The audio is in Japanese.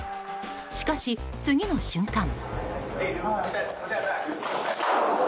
しかし、次の瞬間。